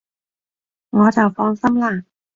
我就放心喇